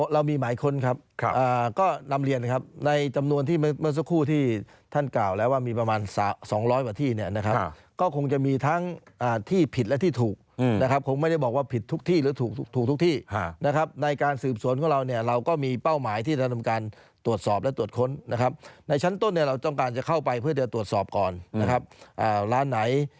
เรามีหมายค้นครับก็นำเรียนนะครับในจำนวนที่เมื่อสักครู่ที่ท่านกล่าวแล้วว่ามีประมาณ๒๐๐กว่าที่เนี่ยนะครับก็คงจะมีทั้งที่ผิดและที่ถูกนะครับคงไม่ได้บอกว่าผิดทุกที่หรือถูกทุกที่นะครับในการสืบสวนของเราเนี่ยเราก็มีเป้าหมายที่จะทำการตรวจสอบและตรวจค้นนะครับในชั้นต้นเนี่ยเราต้องการจะเข้าไปเพื่อจะตรวจสอบก่อนนะครับร้านไหน